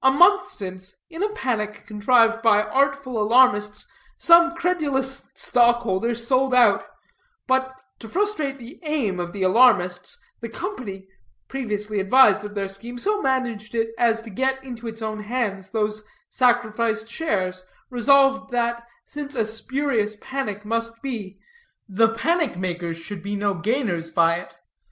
A month since, in a panic contrived by artful alarmists, some credulous stock holders sold out; but, to frustrate the aim of the alarmists, the Company, previously advised of their scheme, so managed it as to get into its own hands those sacrificed shares, resolved that, since a spurious panic must be, the panic makers should be no gainers by it.